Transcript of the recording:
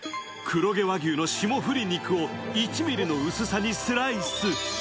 黒毛和牛の霜降り肉を１ｍｍの薄さにスライス。